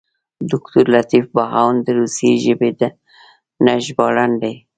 دوکتور لطیف بهاند د روسي ژبې نه ژباړن دی.